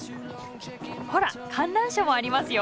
ほら観覧車もありますよ。